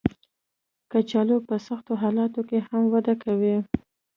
کچالو په سختو حالاتو کې هم وده کوي